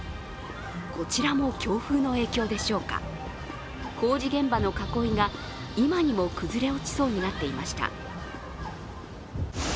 こちらも強風の影響でしょうか工事現場の囲いが今にも崩れ落ちそうになっていました。